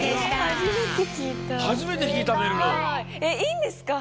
いいんですか？